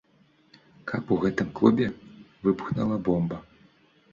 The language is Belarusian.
Каб у гэтым клубе выбухнула бомба!